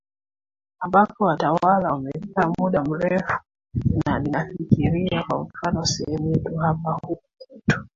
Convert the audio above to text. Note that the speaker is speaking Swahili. ambako watawala wamekaa muda mrefu na ninafikiria kwa mfano sehemu yetu hapa huku kwetu